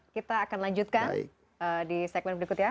kita akan lanjutkan di segmen berikut ya